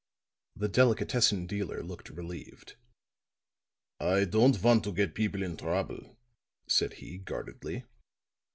The delicatessen dealer looked relieved. "I don't want to get people in trouble," said he, guardedly.